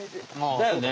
だよね。